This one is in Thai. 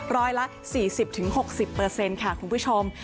ร้อยละ๔๐๖๐ค่ะคุณผู้ชม